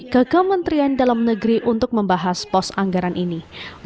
kegang menterian dalam negeri untuk membahas pos anggaran ini